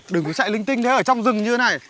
đừng có chạy linh tinh thế ở trong rừng như thế này